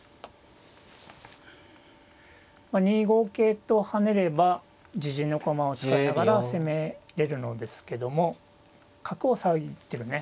まあ２五桂と跳ねれば自陣の駒を使いながら攻めれるのですけども角を遮ってるね